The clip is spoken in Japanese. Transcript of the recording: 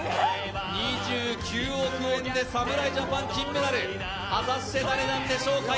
２９億円で侍ジャパン金メダル、果たして誰なんでしょうか？